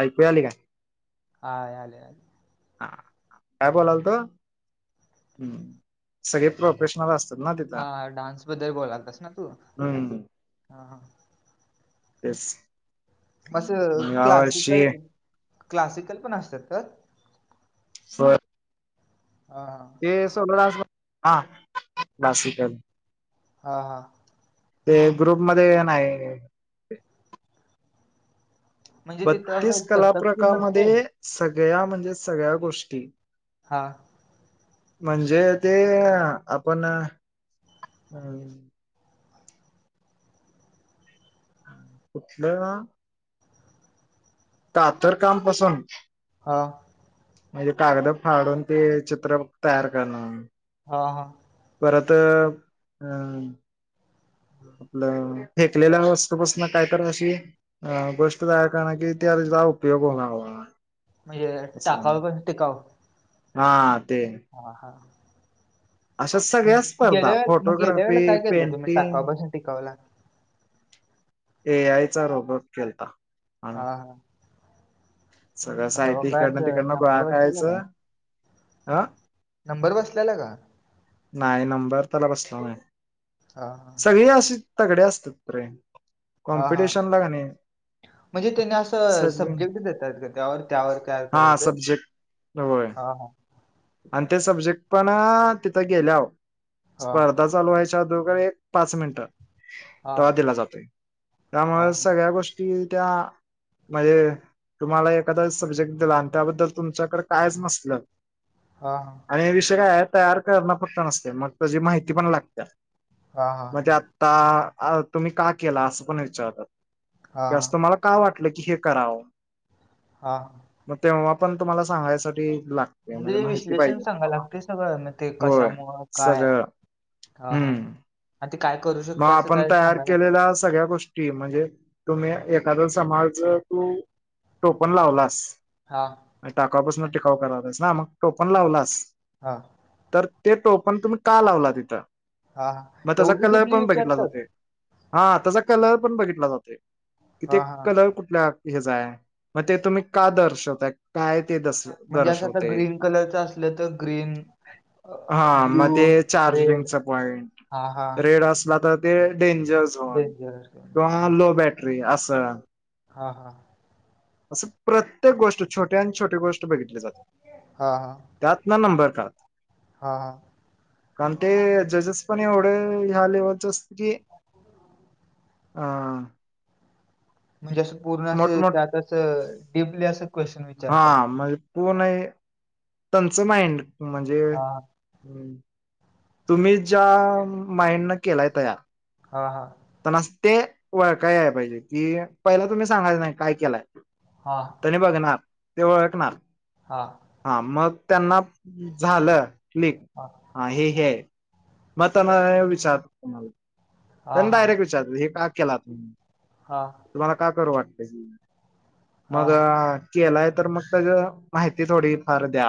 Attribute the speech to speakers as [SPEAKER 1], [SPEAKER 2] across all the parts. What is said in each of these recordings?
[SPEAKER 1] ऐकू याली का?
[SPEAKER 2] हा याले याले.
[SPEAKER 1] ह काय बोलाल त, हूं सगळे प्रोफेशनल असत
[SPEAKER 2] हा डान्स बद्दल बोलातास ना तू
[SPEAKER 1] हम्म.
[SPEAKER 2] हा?
[SPEAKER 1] तेच!
[SPEAKER 2] असं
[SPEAKER 1] मग या वर्षी
[SPEAKER 2] क्लासिक-क्लासिकल पण असत्यांत का?
[SPEAKER 1] सोय!
[SPEAKER 2] हा!
[SPEAKER 1] ते सगळ अस आ क्लासिकल.
[SPEAKER 2] हां हां!
[SPEAKER 1] ते ग्रुप मध्ये ये नाही.
[SPEAKER 2] म्हणजे तिथं
[SPEAKER 1] बत्तीस
[SPEAKER 2] असं कथक ते नसते
[SPEAKER 1] कलाप्रकामध्ये सगळ्या म्हणजे सगळ्या गोष्टी.
[SPEAKER 2] हा!
[SPEAKER 1] म्हणजे ते आपण कुठल आ! तातर कामपसून.
[SPEAKER 2] हा!
[SPEAKER 1] म्हणजे कागद फाडून ते चित्र तयार करणं.
[SPEAKER 2] हा हा!
[SPEAKER 1] परतअ हं! आपलं फेकलेल्या वस्तूपसन काय कर अशी? अ गोष्ट झाया कारण कि, त्या वेळेस तिचा उपयोग होणार नाय.
[SPEAKER 2] म्हणजे टाकाव पणसण टिकावू.
[SPEAKER 1] हा हा ते!
[SPEAKER 2] वाहा!
[SPEAKER 1] अशा सगळ्या स्पर्धा
[SPEAKER 2] गेल्या मंग गेल्या वेळे
[SPEAKER 1] फोटोग्राफी
[SPEAKER 2] ला काय केललं तुम्ही
[SPEAKER 1] पेंटिंग
[SPEAKER 2] टाकापासून टिकावूला.
[SPEAKER 1] ए आय चा रोबट केलता. आम्ही
[SPEAKER 2] हा हा!
[SPEAKER 1] सगळं
[SPEAKER 2] मग तेव्हा
[SPEAKER 1] साहित्य
[SPEAKER 2] काय
[SPEAKER 1] इकडनं
[SPEAKER 2] असं,
[SPEAKER 1] तिकडनं गोळा
[SPEAKER 2] नंबर बसलेला का,
[SPEAKER 1] करायचं ह
[SPEAKER 2] नंबर बसलेला का?
[SPEAKER 1] नाही नंबर त्याला बसला नाही,
[SPEAKER 2] हा हा
[SPEAKER 1] सगळी अशी तगडे असतात रे!
[SPEAKER 2] हा हा
[SPEAKER 1] कॉम्पिटिशन ला का नाही!
[SPEAKER 2] म्हणजे त्यानी असं
[SPEAKER 1] सगळे
[SPEAKER 2] सब्जेक्ट देतात का, त्यावर त्यावर तयार
[SPEAKER 1] हा
[SPEAKER 2] करायचं?
[SPEAKER 1] सब्जेक्ट होय
[SPEAKER 2] हा हा
[SPEAKER 1] आण ते सब्जेक्ट पणं तिथं गेल्याव स्प
[SPEAKER 2] हा
[SPEAKER 1] र्धा चालू व्हायच्या आदुगर एक पाच मिनिटं
[SPEAKER 2] हा
[SPEAKER 1] तव्हा दिला जातोय
[SPEAKER 2] हा
[SPEAKER 1] त्यामुळे सगळ्या गोष्टील त्या म्हणजे तुम्हाला एखादा सब्जेक्ट दिला, आण त्याबद्दल तुमच्याकडं कायंच नसलं
[SPEAKER 2] हा-हा
[SPEAKER 1] आणि विषय काय आहे तयार करणं फक्त नसतय मग त्याची माहिती पण लागत्या
[SPEAKER 2] हा हा
[SPEAKER 1] मग त्यात आता अ तुम्ही का केला? असं पण विचारतात
[SPEAKER 2] हा
[SPEAKER 1] की असं तुम्हाला का वाटलं की हे करावं?
[SPEAKER 2] हा
[SPEAKER 1] मग तेव्हा पण तुम्हाला सांगायसाठी लागत्या म्हणजे माहिती
[SPEAKER 2] स्पेशल
[SPEAKER 1] पाहिजे
[SPEAKER 2] सांगायला
[SPEAKER 1] तुम्हाला
[SPEAKER 2] लागतय सगळं मग ते
[SPEAKER 1] होय
[SPEAKER 2] कशामुळे? काय?
[SPEAKER 1] सगळं
[SPEAKER 2] हा
[SPEAKER 1] हम्म
[SPEAKER 2] हा आता काय करू शकतो?
[SPEAKER 1] मग आपण तयार केलेल्या सगळ्या गोष्टी म्हणजे तुम्ही एखादं समाज तू टोपन लावलास
[SPEAKER 2] हा
[SPEAKER 1] टाकापासून टिकाऊ करायचं, मग टोपण लावलास
[SPEAKER 2] हा
[SPEAKER 1] तर ते टोपण तुम्ही का लावला तिथं?
[SPEAKER 2] हा -हा
[SPEAKER 1] मग त्याचा
[SPEAKER 2] एवढं
[SPEAKER 1] कलर
[SPEAKER 2] डीपली
[SPEAKER 1] पण बघितला जातोय
[SPEAKER 2] विचारतात?
[SPEAKER 1] हा त्याचा कलर पण बघितला जातोय, तिथे
[SPEAKER 2] हा हा
[SPEAKER 1] कलर कुठल्या? हेचा आहे मग, ते तुम्ही का दर्शवताय काय ते दर्शवते?
[SPEAKER 2] म्हणजे असं तर ग्रीन कलरचं असले, तर तर ग्रीन अ.....
[SPEAKER 1] हा मग
[SPEAKER 2] ब्ल्यू,
[SPEAKER 1] ते
[SPEAKER 2] रेड
[SPEAKER 1] चार्जिंगचा पॉइंट
[SPEAKER 2] हा हा
[SPEAKER 1] रेड असला तर, ते डेंजर झोन,
[SPEAKER 2] डेंजर हा
[SPEAKER 1] किंवा लो बॅटरी असं
[SPEAKER 2] हा -हा
[SPEAKER 1] असं प्रत्येक गोष्ट छोट्याहून छोटी गोष्ट बघितली जाते
[SPEAKER 2] हा
[SPEAKER 1] त्यातनं नंबर काढतात
[SPEAKER 2] हा- हा
[SPEAKER 1] कारण जजेस पण एवढे या लेवलचे असतात की हा
[SPEAKER 2] म्हणजे असं..., पूर्ण असं...,
[SPEAKER 1] मोठमोठ
[SPEAKER 2] त्यात असं.., डीपली असं क्वेशन विचारतात
[SPEAKER 1] हा म्हणजे पूर्ण हे त्यांचं माइंड म्हणजे
[SPEAKER 2] हा
[SPEAKER 1] हम तुम्ही ज्या माइंडनं केलाय तयार
[SPEAKER 2] हा-हा
[SPEAKER 1] पण असं ते ओळखाय याय पाहिज कि, पहिला तुम्ही सांगायचं नाही काय केलाय.
[SPEAKER 2] हा
[SPEAKER 1] तेंनी बघणार ते ओळखणार
[SPEAKER 2] हा
[SPEAKER 1] हा मग त्यांना झालं क्लिक हा हे हे आहे मग त्यांना विचारतो तुम्हाला
[SPEAKER 2] हा
[SPEAKER 1] त्यांनी
[SPEAKER 2] हा
[SPEAKER 1] डायरेक्ट विचारतात हे का केला तुम्ही?
[SPEAKER 2] हा
[SPEAKER 1] तुम्हाला का करू वाटतं ही
[SPEAKER 2] हा,
[SPEAKER 1] मग केलाय तर मग त्याचं माहिती थोडी-फार द्या.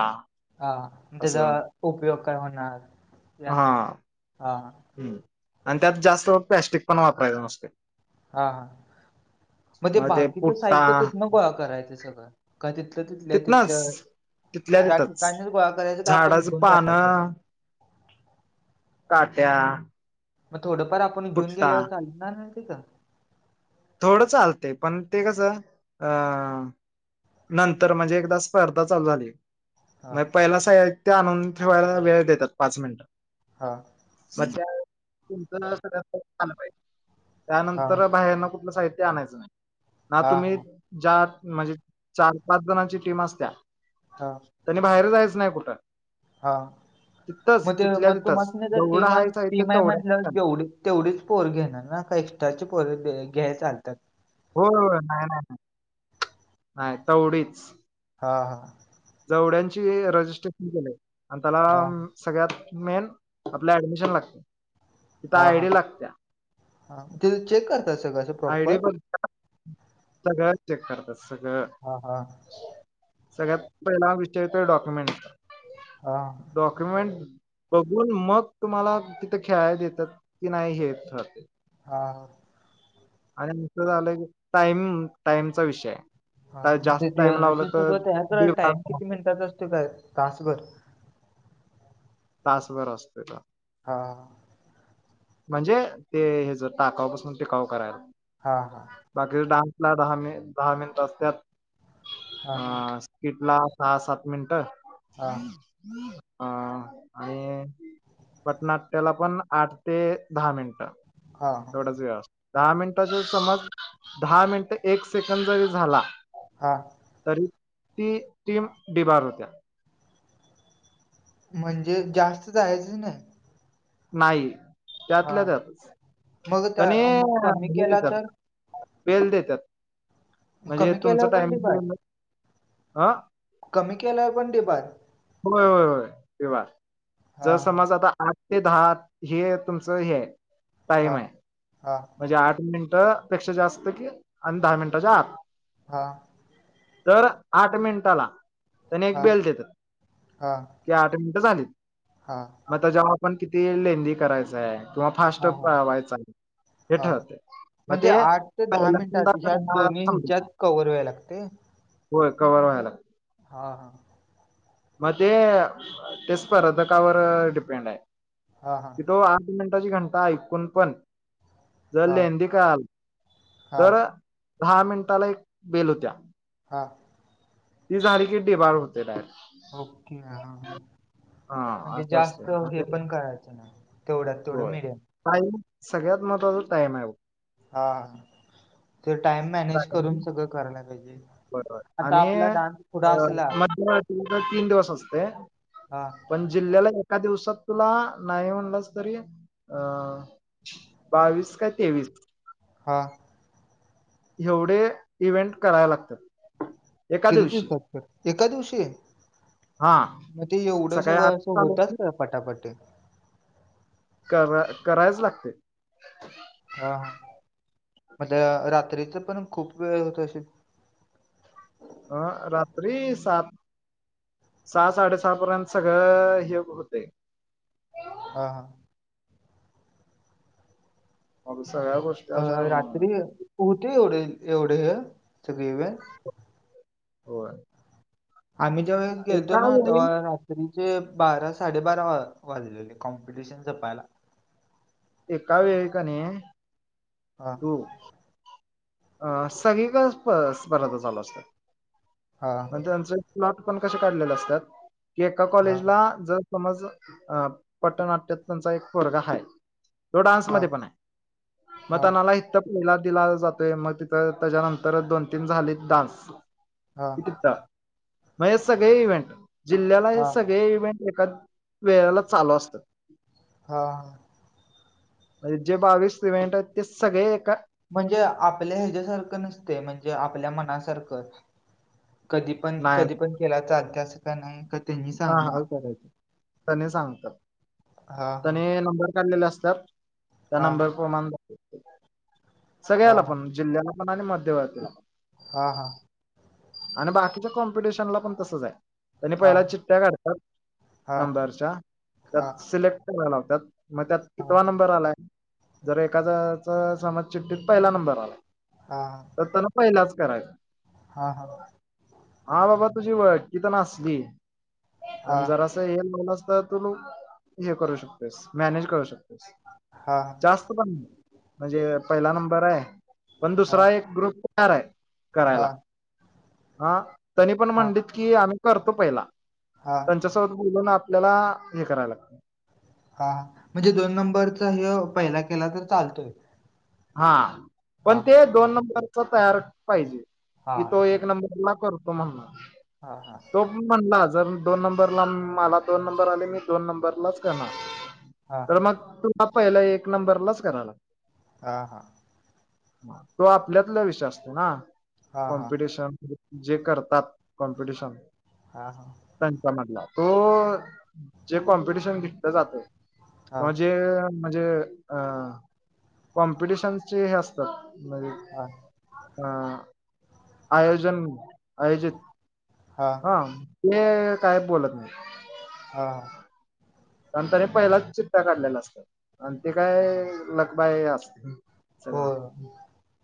[SPEAKER 2] हा मग त्याचा
[SPEAKER 1] असं
[SPEAKER 2] उपयोग काय होणार हे असं हा
[SPEAKER 1] हम आणि त्यात जास्त प्लॅस्टिक पण वापरायचं नसतय
[SPEAKER 2] हा हा मग ते बाकीचं साहित्य कुठनं गोळा करायचं सगळं का तिथल्या तिथलं
[SPEAKER 1] तिथनच
[SPEAKER 2] तिथलं
[SPEAKER 1] तिथल्या
[SPEAKER 2] त्या
[SPEAKER 1] तिथंच
[SPEAKER 2] ठिकाणीच गोळा करायच काय आपण
[SPEAKER 1] झाडाच
[SPEAKER 2] घेऊन जायाचं
[SPEAKER 1] पानं काट्या
[SPEAKER 2] मग थोडंफार आपण घेऊन
[SPEAKER 1] पुट्टा
[SPEAKER 2] गेल्यावर चालणार नाही तिथं?
[SPEAKER 1] थोडं चालतय, पण ते कसं अ नंतर म्हणजे एकदा स्पर्धा चालू झाली
[SPEAKER 2] हां,
[SPEAKER 1] मग पहिला साहित्य आणून ठेवायला वेळ देतात पाच मिनिटं.
[SPEAKER 2] हा
[SPEAKER 1] सध्या तुमच [inaudible] सगळ्यात [inaudible] आलं पाहिजे
[SPEAKER 2] हां,
[SPEAKER 1] त्यानंतर बाहेरनं कुठलं साहित्य आणायचं,,, ना
[SPEAKER 2] हां,
[SPEAKER 1] तुम्ही
[SPEAKER 2] हां,
[SPEAKER 1] चार, म्हणजे चार पाच जणांची टीम असत्या.
[SPEAKER 2] हां.
[SPEAKER 1] त्यांनी बाहेरच जायच नाही कुठं.
[SPEAKER 2] हा,
[SPEAKER 1] तिथंच
[SPEAKER 2] मग ते
[SPEAKER 1] तिथल्या
[SPEAKER 2] मग
[SPEAKER 1] तिथंच
[SPEAKER 2] तुमास्नी तर
[SPEAKER 1] तेवढा
[SPEAKER 2] टीम
[SPEAKER 1] हायच आहे ते
[SPEAKER 2] टीम आय मम्हणाल्यावर
[SPEAKER 1] तेवढ्या
[SPEAKER 2] जेवढं तेवढीच पोरं घेणार ना, का एक्स्ट्राचे पोरं घ्याय चालत्यात?
[SPEAKER 1] होय होय नाही नाही, नाही नाही तेवढीच.
[SPEAKER 2] हा हा.
[SPEAKER 1] जेवढ्यांची रजिस्ट्रेशन केलंय, आणि त्याला
[SPEAKER 2] हां,
[SPEAKER 1] सगळ्यात मेन, आपलं ऍडमिशन लागतंय
[SPEAKER 2] हा हा, ते चेक करताय सगळं असं
[SPEAKER 1] आयडी
[SPEAKER 2] प्रॉपर.
[SPEAKER 1] पण सगळं चेक करत्यात सगळं.
[SPEAKER 2] हा हा.
[SPEAKER 1] सगळ्यात पहिला विचारत्यात डॉक्युमेंट
[SPEAKER 2] हा.
[SPEAKER 1] डॉक्युमेंट बघून मग तुम्हाला तिथं खेळायला देतात की नाही हे
[SPEAKER 2] हा हा.
[SPEAKER 1] आणि तुमचं झालंय, की टाइम टाइमचा विषय आहे.
[SPEAKER 2] हा,
[SPEAKER 1] ता-
[SPEAKER 2] मग
[SPEAKER 1] जास्त टाइम लावला
[SPEAKER 2] ते
[SPEAKER 1] तर
[SPEAKER 2] सगळं तयार टाईम
[SPEAKER 1] दिवसभर
[SPEAKER 2] किती
[SPEAKER 1] असते,
[SPEAKER 2] मिनिटात असतो काय तासभर?
[SPEAKER 1] तासभर असतोय.
[SPEAKER 2] हा.
[SPEAKER 1] म्हणजे ते हेचं, टाकाऊपासून टिकाऊ करायला.
[SPEAKER 2] हा हा.
[SPEAKER 1] बाकीच डान्सला दहा मि दहा मिनिट असत्यात.
[SPEAKER 2] हां
[SPEAKER 1] हा
[SPEAKER 2] हां
[SPEAKER 1] किटला सहा सात मिनिटं.
[SPEAKER 2] हा.
[SPEAKER 1] अ आणि, पटनाट्याला पण आठ ते दहा मिनिटं,
[SPEAKER 2] हां हां
[SPEAKER 1] एवढाच वेळ आसत दहा मिनिटाचा समज, दहा मिनिटं एक सेकंड जरी झाला
[SPEAKER 2] हां
[SPEAKER 1] तरी, ती टीम डिबार होत्या.
[SPEAKER 2] म्हणजे जास्त जायचंच नाही.
[SPEAKER 1] नाही, त्यातल्या
[SPEAKER 2] हां
[SPEAKER 1] त्यातच,
[SPEAKER 2] मग त्या
[SPEAKER 1] तेनि
[SPEAKER 2] मग कमी
[SPEAKER 1] हे
[SPEAKER 2] केला
[SPEAKER 1] देत्यात
[SPEAKER 2] तर?
[SPEAKER 1] बेल देत्यात, म्हजे
[SPEAKER 2] कमी
[SPEAKER 1] तुमचं
[SPEAKER 2] केल्यावर पण डिपार्ट?
[SPEAKER 1] टायमिंग अ
[SPEAKER 2] कमी केलाय पण डिबार.
[SPEAKER 1] होय होय होय, खिंडार,, जर
[SPEAKER 2] हां
[SPEAKER 1] समज आता आठ ते दहा हे तुमचं हे टाईम
[SPEAKER 2] हां
[SPEAKER 1] हाय,,
[SPEAKER 2] हां
[SPEAKER 1] म्हंजे आठ मिनिटं पेक्षा जास्त की आणि दहा मिनिटाच्या आत.
[SPEAKER 2] हा.
[SPEAKER 1] दर आठ मिनिटाला तणे एक
[SPEAKER 2] हां
[SPEAKER 1] बेल देत.
[SPEAKER 2] हां
[SPEAKER 1] कि आठ मिनिटं झालीत.
[SPEAKER 2] हां.
[SPEAKER 1] मग तो जवा पण किती लेहंदी करायचाय किंवा फास्ट
[SPEAKER 2] हां हां
[SPEAKER 1] पळवायचा आहे. हे
[SPEAKER 2] हां
[SPEAKER 1] ठरतंय.
[SPEAKER 2] म्हणजे आठ ते दहा मिनिटात ज्यात दोन्ही
[SPEAKER 1] समजत नाही
[SPEAKER 2] ह्याच्यात कव्हर व्हायला लागतय.
[SPEAKER 1] होय, कवर व्हायला.
[SPEAKER 2] हा हा.
[SPEAKER 1] मध्ये ते स्पर्धकावर डिपेंड आहे.
[SPEAKER 2] हा हा.
[SPEAKER 1] त तो आठ मिनिटाची घंटा ऐकून पण जर
[SPEAKER 2] हां
[SPEAKER 1] लेहदी काय आल,
[SPEAKER 2] हां
[SPEAKER 1] तर दहा मिनिटाला एक बेल होत्या.
[SPEAKER 2] हां.
[SPEAKER 1] ती झाली की डीबार होते डायरेक्ट.
[SPEAKER 2] ओके हा हा हो.
[SPEAKER 1] हा
[SPEAKER 2] म्हणजे
[SPEAKER 1] असं असतंय
[SPEAKER 2] जास्त
[SPEAKER 1] मग
[SPEAKER 2] हे
[SPEAKER 1] ते
[SPEAKER 2] पण करायचं नाही, तेवढ्यात तेवढं
[SPEAKER 1] होय.
[SPEAKER 2] मेडियम.
[SPEAKER 1] टाईम, सगळ्यात महत्त्वाचा टाइम आहे हो.
[SPEAKER 2] हा. तर टाइम मॅनेज करून सगळं करायला पाहिजे.
[SPEAKER 1] बरोबर
[SPEAKER 2] आता
[SPEAKER 1] आणि
[SPEAKER 2] आपला डान्स पुढं
[SPEAKER 1] अ
[SPEAKER 2] असला
[SPEAKER 1] मध्यरात्री तीन दिवस असते.
[SPEAKER 2] हा.
[SPEAKER 1] पण जिल्ह्याला एका दिवसात तुला नाही म्हणलंच तरी अ बावीस काय तेवीस.
[SPEAKER 2] हा.
[SPEAKER 1] एवढे इव्हेंट करायला लागतात? एका
[SPEAKER 2] किती
[SPEAKER 1] दिवशी
[SPEAKER 2] दिवसात तर? एका दिवशी?
[SPEAKER 1] हा
[SPEAKER 2] मग ते एवढं
[SPEAKER 1] सकाळी आठ
[SPEAKER 2] सगळं असं
[SPEAKER 1] चालू
[SPEAKER 2] होतात
[SPEAKER 1] होतंय
[SPEAKER 2] का? पटापट.
[SPEAKER 1] करावं करावच लागतय.
[SPEAKER 2] हा मग रात्रीच पण खूप वेळ होत असेल?
[SPEAKER 1] आ रात्री सात सहा साडेसहा पर्यंत सगळं हे होतय.
[SPEAKER 2] हा हा.
[SPEAKER 1] मग सगळया गोष्टी?
[SPEAKER 2] अ
[SPEAKER 1] अशा
[SPEAKER 2] रात्री कुठे एवढे एवढे सगळे इव्हेंट?
[SPEAKER 1] हो.
[SPEAKER 2] आम्ही जेव्हा गेलतो ना
[SPEAKER 1] वेळी
[SPEAKER 2] तेव्हा त्रींचे बारा साडेबारा वाजलेले कॉम्पिटिशन जपायला.
[SPEAKER 1] एकावेळी एकाने
[SPEAKER 2] हां.
[SPEAKER 1] हो. अ सगळीकडेच स्प स्पर्धा चालू असतात.
[SPEAKER 2] हा.
[SPEAKER 1] त्यांचं प्लॉट पण कशे काढलेले असतात एका
[SPEAKER 2] हा
[SPEAKER 1] कॉलेजला जर समजल अ पटनाट्यात त्यांचा एक पोरगा हाय. तो डान्स
[SPEAKER 2] हा
[SPEAKER 1] मध्ये पण आहे. मग
[SPEAKER 2] हा
[SPEAKER 1] त्याला. [unintelligible] ते मग तिथं त्याच्यानंतर दोन तीन झालेत डान्स
[SPEAKER 2] हा
[SPEAKER 1] मग हे सगळे इव्हेंट जिल्ह्याला हे
[SPEAKER 2] हा हा
[SPEAKER 1] सगळे इव्हेंट एकाच वेळेला चालू असतात.?
[SPEAKER 2] हा.
[SPEAKER 1] म्हणजे जे बावीस इव्हेंट आहेत ते सगळे एका
[SPEAKER 2] म्हणजे आपल्या ह्यच्या्यासारखं नसतय म्हणजे, आपल्या मनासारखं कधी पण
[SPEAKER 1] नाही
[SPEAKER 2] कधी पण केला चालतंय अस काय नाही कधी त्यांनी
[SPEAKER 1] हा हा
[SPEAKER 2] सांगाव करायच?
[SPEAKER 1] सांगतात. त्यानी नंबर काढलेले असतात. त्या
[SPEAKER 2] हा
[SPEAKER 1] नंबर प्रमाण
[SPEAKER 2] हा
[SPEAKER 1] सगळ्याला पण जिल्ह्याला पण आणि मध्यभागी ला
[SPEAKER 2] हा हा.
[SPEAKER 1] आणि बाकीच्या कॉम्पिटिशनला पण तसंच आहे. त्यांनी
[SPEAKER 2] हा
[SPEAKER 1] पहिल्या चिटट्या काढतात,
[SPEAKER 2] हा
[SPEAKER 1] नंबरच्या
[SPEAKER 2] हा
[SPEAKER 1] त्यात सिलेक्ट कराय लावत्यात. मग त्यात कितवा
[SPEAKER 2] हा
[SPEAKER 1] नंबर आलाय जर एकाद्याचा समाज चिठ्ठीत पहिला नंबर आलाय.
[SPEAKER 2] हा
[SPEAKER 1] तर त्याला पहिलाच करायचं.
[SPEAKER 2] हा हा.
[SPEAKER 1] हा बाबा तुझी ओळखी तन असली
[SPEAKER 2] हा
[SPEAKER 1] आणि जरास [unintelligible] तर तू हे करू शकतोयस मॅनेज करू शकतोयस
[SPEAKER 2] हा.
[SPEAKER 1] जास्त पण म्हणजे, पहिला नंबर आहे पण
[SPEAKER 2] हा
[SPEAKER 1] दुसरा एक ग्रुप तयार आहे.?
[SPEAKER 2] हा
[SPEAKER 1] करायला,
[SPEAKER 2] हा
[SPEAKER 1] हा तरी पण
[SPEAKER 2] हा
[SPEAKER 1] म्हणलीत कि आम्ही करतो पहिला
[SPEAKER 2] हा.
[SPEAKER 1] तसं बोलून आपल्याला हे कराय लागतय.
[SPEAKER 2] हा म्हणजे दोन नंबरचा ह्यो पहिला केला तर चालतोय.
[SPEAKER 1] हा पण
[SPEAKER 2] हा
[SPEAKER 1] ते दोन नंबरचा तयार पाहिजे,
[SPEAKER 2] हा
[SPEAKER 1] की तो
[SPEAKER 2] हा
[SPEAKER 1] एक नंबर ला करतो म्हणून
[SPEAKER 2] हा हा.
[SPEAKER 1] तो पण म्हणला जर दोन नंबरला मला दोन नंबर आले मी दोन नंबरलाच करणार
[SPEAKER 2] हा
[SPEAKER 1] तर मग तूला पहिला एक नंबरलाच करणार.
[SPEAKER 2] हा हा.
[SPEAKER 1] तो आपल्यातला विषय असतो ना,
[SPEAKER 2] हा
[SPEAKER 1] कॉम्पिटिशन जे करतात? कॉम्पिटेशन
[SPEAKER 2] हा हा.
[SPEAKER 1] त्यांच्या मधला तो जे कॉम्पिटिशन घेतलं
[SPEAKER 2] हा
[SPEAKER 1] जातं. जे म्हणजे, अ कॉम्पिटिशनचे हे अस म्हणजे
[SPEAKER 2] हा
[SPEAKER 1] अ आयोजन, आयोजित
[SPEAKER 2] हा.
[SPEAKER 1] ते काय बोलत नाही.?
[SPEAKER 2] हा.
[SPEAKER 1] पहिलाच चिठ्ठ्या काढलेला असतात. आणि ते काय लक बाय असत
[SPEAKER 2] हो
[SPEAKER 1] चला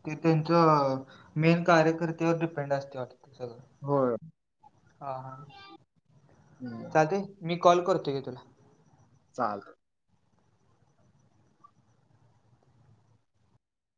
[SPEAKER 2] ते त्यांचं मेन कार्यकर्तेवर डिपेंड असतय वाटत सगळं
[SPEAKER 1] होय.?
[SPEAKER 2] हा हा चालतय, घे मी कॉल करतो घे तुला
[SPEAKER 1] चालल